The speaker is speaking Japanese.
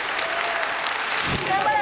頑張れ！